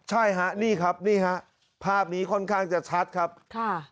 ใช่ฮะนี่ครับนี่ฮะภาพนี้ค่อนข้างจะชัดครับค่ะ